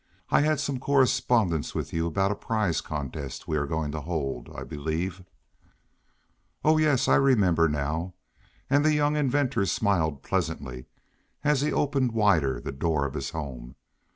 I had some correspondence with you about a prize contest we are going to hold. I believe " "Oh, yes, I remember now," and the young inventor smiled pleasantly as he opened wider the door of his home.